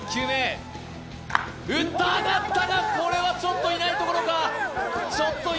打った、上がったがこれはちょっといないところか。